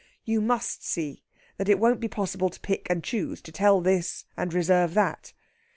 You must see that it won't be possible to pick and choose, to tell this and reserve that.